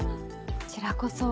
こちらこそ。